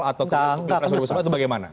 atau kewirausahaan wirausahaan itu bagaimana